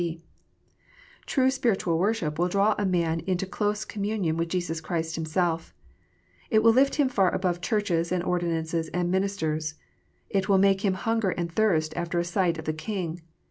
(b) True spiritual worship will draw a man into close com munion with Jesus Christ Himself. It will lift him far above Churches, and ordinances, and ministers. It will make him hunger and thirst after a sight of the King.